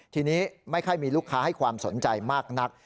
ทีนี้ไม่ค่อยมีลูกค้าให้ความสนใจมากนัก